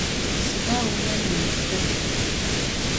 Sıda vunem yimılhır?